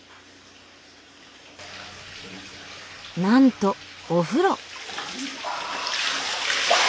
なんとお風呂。